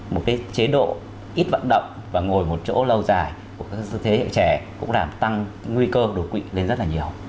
một chế độ ít vận động và ngồi một chỗ lâu dài của các thế hệ trẻ cũng làm tăng nguy cơ đột quỵ lên rất là nhiều